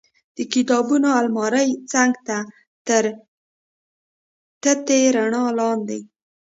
د کتابونو المارۍ څنګ ته تر تتې رڼا لاندې.